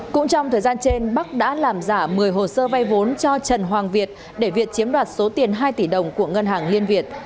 cũng trong thời gian trên bắc đã làm giả một mươi hồ sơ vay vốn cho trần hoàng việt để việc chiếm đoạt số tiền hai tỷ đồng của ngân hàng liên việt